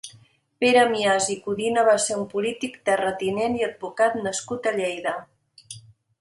Pere Mias i Codina va ser un polític, terratinent i advocat nascut a Lleida.